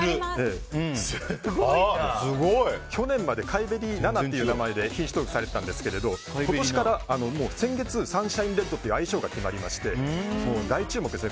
去年まで甲斐ベリー７という名前で品種登録されていたんですが今年から、先月サンシャインレッドという愛称が決まりまして大注目です。